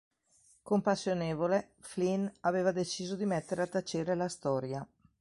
Compassionevole, Flynn aveva deciso di mettere a tacere la storia.